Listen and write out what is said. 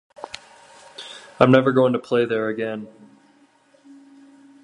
I'm never going to play there again.